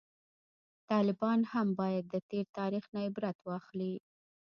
طالبان هم باید د تیر تاریخ نه عبرت واخلي